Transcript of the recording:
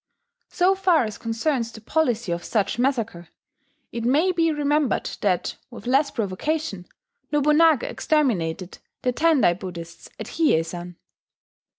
So far as concerns the policy of such massacre, it may be remembered that, with less provocation, Nobunaga exterminated the Tendai Buddhists at Hiyei san.